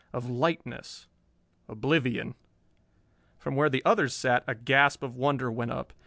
of lightness.... Oblivion! From where the others sat a gasp of wonder went up.